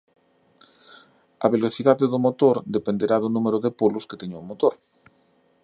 A velocidade do motor dependerá do número de polos que teña o motor.